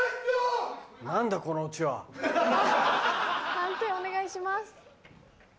判定お願いします。